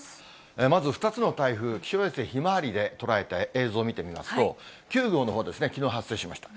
まず２つの台風、気象衛星ひまわりで捉えた映像見てみますと、９号のほうですね、きのう、発生しました。